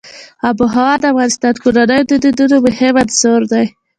آب وهوا د افغان کورنیو د دودونو مهم عنصر دی.